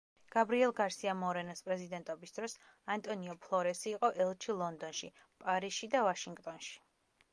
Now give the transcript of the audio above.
გაბრიელ გარსია მორენოს პრეზიდენტობის დროს, ანტონიო ფლორესი იყო ელჩი ლონდონში, პარიზში და ვაშინგტონში.